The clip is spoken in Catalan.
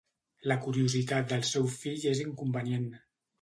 La curiositat del teu fill és inconvenient.